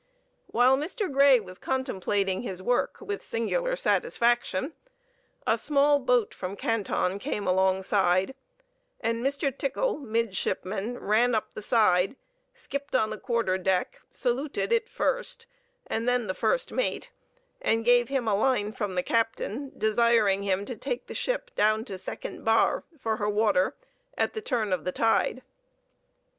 While Mr. Grey was contemplating his work with singular satisfaction, a small boat from Canton came alongside, and Mr. Tickell, midshipman, ran up the side, skipped on the quarter deck, saluted it first, and then the first mate; and gave him a line from the captain, desiring him to take the ship down to Second Bar—for her water—at the turn of the tide.